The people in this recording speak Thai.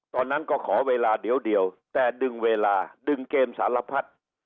ตอนนั้นก็ขอเวลาเดียวแต่ดึงเวลาดึงเกมสารพัด